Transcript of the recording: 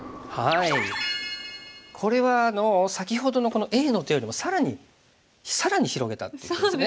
これは先ほどのこのＡの手よりも更に更に広げたっていう手ですね。